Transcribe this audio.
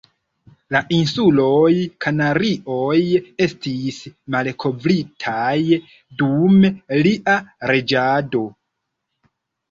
La Insuloj Kanarioj estis malkovritaj dum lia reĝado.